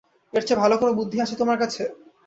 এরচে ভালো কোন বুদ্ধি আছে তোমার কাছে?